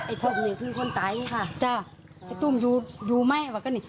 คนนี่คือคนตายค่ะจ้ะไอ้ตุ้มอยู่อยู่ไหมว่าก็นี่